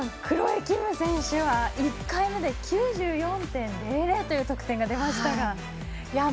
クロエ・キム選手は１回目で９４．００という得点が出ましたが。